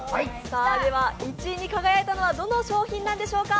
では１位に輝いたのはどの商品なんでしょうか。